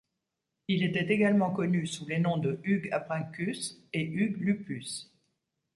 Il était également connu sous les noms de Hugues Abrincus et Hugues Lupus.